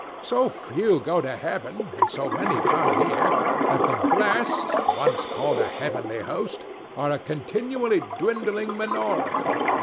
So few go to Heaven, and so many come here, that the blest, once called a heavenly host, are a continually dwindling minority.